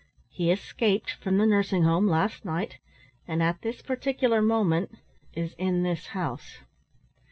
He escaped from the nursing home last night and at this particular moment is in this house."